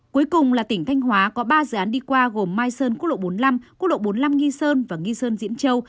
cuối cùng là tỉnh thanh hóa có ba dự án đi qua gồm mai sơn quốc lộ bốn mươi năm quốc lộ bốn mươi năm nghi sơn và nghi sơn diễn châu